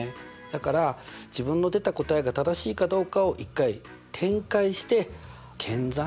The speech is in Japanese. だから自分の出た答えが正しいかどうかを一回展開して検算。